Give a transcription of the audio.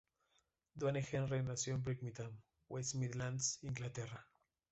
Duane Henry nació Birmingham, West Midlands, Inglaterra.